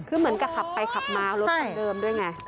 คือเหมือนกับขับไปขับมารถคันเดิมด้วยไง